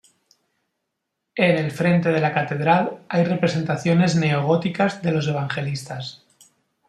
En el frente de la catedral hay representaciones neo-góticas de los evangelistas.